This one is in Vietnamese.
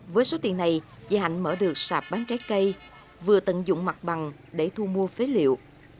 với số tiền này chị hạnh mở được sạp bán trái cây vừa tận dụng mặt bằng để thu mua phế liệu